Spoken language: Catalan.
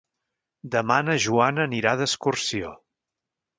Demà na Joana anirà d'excursió.